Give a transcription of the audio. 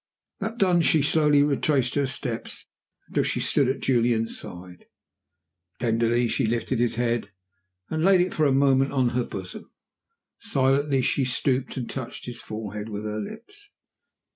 That done, she slowly retraced her steps until she stood at Julian's side. Tenderly she lifted his head and laid it for a moment on her bosom. Silently she stooped and touched his forehead with her lips.